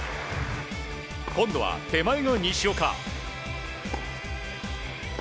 今度は手前の西岡。